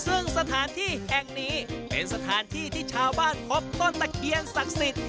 ซึ่งสถานที่แห่งนี้เป็นสถานที่ที่ชาวบ้านพบต้นตะเคียนศักดิ์สิทธิ์